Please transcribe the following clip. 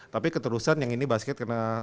tapi keterusan yang ini basket kena sangking seneng